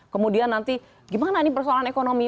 kemudian nanti gimana ini persoalan ekonomi